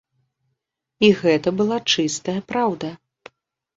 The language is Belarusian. І гэта была чыстая праўда!